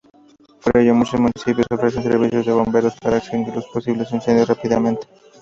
Por ello, muchos municipios ofrecen servicios de bomberos para extinguir los posibles incendios rápidamente.